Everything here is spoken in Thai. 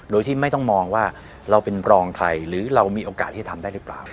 โดยที่ไม่ต้องมองว่าเราเป็นรองใครหรือเรามีโอกาสที่จะทำได้หรือเปล่า